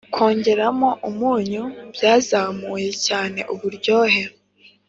[kwongeramo umunyu byazamuye cyane uburyohe.